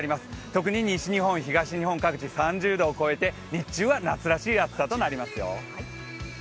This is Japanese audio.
特に西日本、東日本各地、３０度を超えて日中は夏らしい暑さとなりますよ。